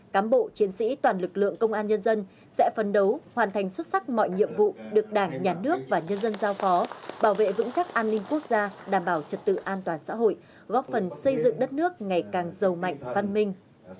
cám bộ chiến sĩ toàn lực lượng công an nhân dân sẽ phấn đấu hoàn thành xuất sắc mọi nhiệm vụ được đảng nhà nước và nhân dân giao phó bảo vệ vững chắc an ninh quốc gia đảm bảo trật tự an toàn xã hội góp phần xây dựng đất nước ngày càng giàu mạnh văn minh